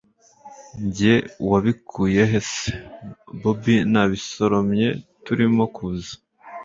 njye wabikuyehe se!? bobi nabisoromye turimo kuza